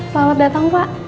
selamat datang pak